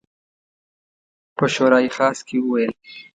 په شورای خاص کې وویل.